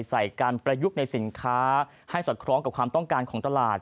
ใส่การประยุกต์ในสินค้าให้สอดคล้องกับความต้องการของตลาด